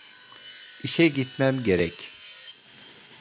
İşe gitmem gerek.